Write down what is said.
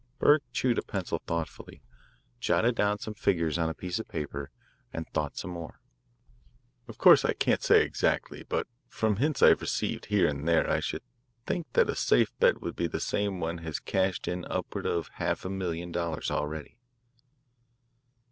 Burke chewed a pencil thoughtfully, jotted down some figures on a piece of paper, and thought some more. "Of course I can't say exactly, but from hints I have received here and there I should think that a safe bet would be that some one has cashed in upward of half a million dollars already."